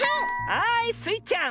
はいスイちゃん！